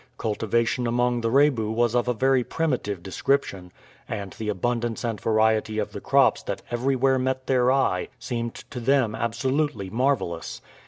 Cultivation among the Rebu was of a very primitive description, and the abundance and variety of the crops that everywhere met their eye seemed to them absolutely marvelous.